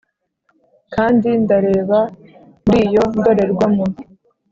kandi ndareba muri iyo ndorerwamo.